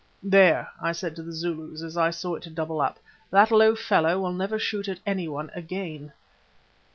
"There," I said to the Zulus as I saw it double up, "that low fellow will never shoot at anyone again."